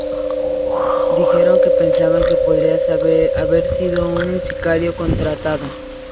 Dijeron que pensaban que podría haber sido un sicario contratado.